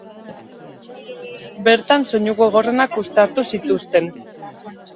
Bertan soinu gogorrenak uztartu zituzten.